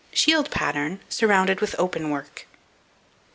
Shield Pattern, surrounded with Open Work.